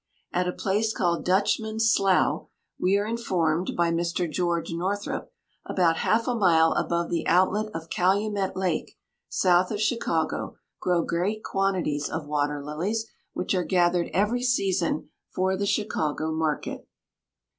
At a place called Dutchman's Slough, we are informed by Mr. George Northrup, about half a mile above the outlet of Calumet Lake, south of Chicago, grow great quantities of water lilies, which are gathered every season for the Chicago market.